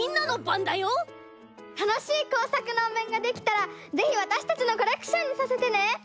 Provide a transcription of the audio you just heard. たのしいこうさくのおめんができたらぜひわたしたちのコレクションにさせてね。